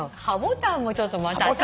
ハボタンもちょっとまた。